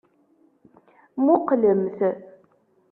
Muqqlemt.